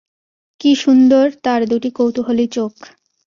কী সুন্দর তার দুটি কৌতুহলী চোখ।